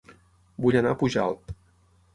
Vull anar a Pujalt